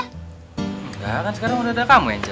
enggak kan sekarang udah ada kamu angel